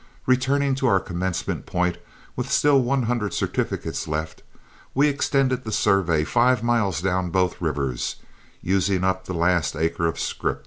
Returning to our commencement point with still one hundred certificates left, we extended the survey five miles down both rivers, using up the last acre of scrip.